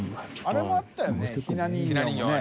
あれもあったよね？